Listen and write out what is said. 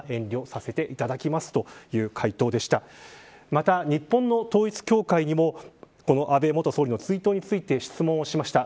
また日本の統一教会にもこの安倍元総理の追悼について質問をしました。